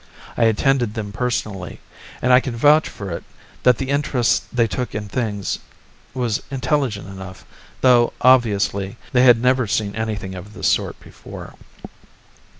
I attended them personally, and I can vouch for it that the interest they took in things was intelligent enough, though, obviously, they had never seen anything of the sort before.